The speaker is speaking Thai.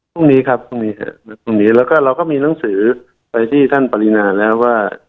พรุ่งนี้ครับพรุ่งนี้พรุ่งนี้แล้วก็เราก็มีหนังสือไปที่ท่านปรินาแล้วว่า